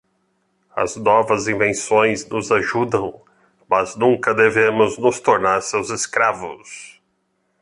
As novas invenções nos ajudam, mas nunca devemos nos tornar seus escravos.